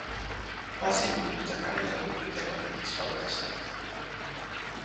Va ser bibliotecari de la Biblioteca Provincial de Castelló.